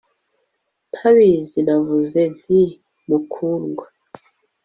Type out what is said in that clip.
Ntabizi navuze nti Mukundwa